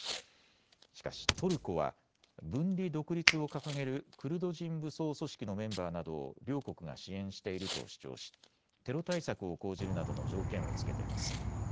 しかし、トルコは分離独立を掲げるクルド人武装組織のメンバーなどを両国が支援していると主張しテロ対策を講じるなどの条件を付けています。